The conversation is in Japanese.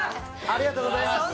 ありがとうございます